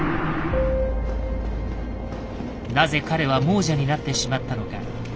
なぜ彼は亡者になってしまったのか。